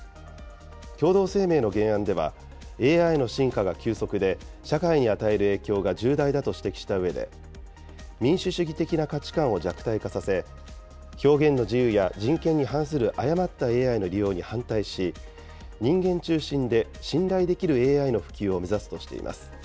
共同声明の原案では、ＡＩの進化が急速で、社会に与える影響が重大だと指摘したうえで、民主主義的な価値観を弱体化させ、表現の自由や人権に反する誤ったＡＩの利用に反対し、人間中心で信頼できるＡＩの普及を目指すとしています。